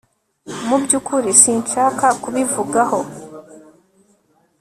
Mu byukuri sinshaka kubivugaho